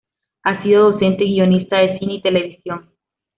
Ha sido docente y guionista de cine y televisión.